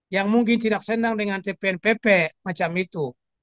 yang mungkin tidak senang dengan tpnpp macam itu